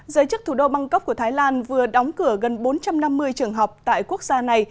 giới chức thủ đô bangkok của thái lan vừa đóng cửa gần bốn trăm năm mươi trường học tại quốc gia này